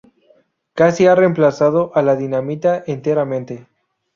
Casi ha reemplazado a la dinamita enteramente.